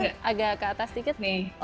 lihat nggak agak ke atas dikit nih